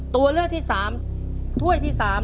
ตัวเลือกที่สามถ้วยที่สาม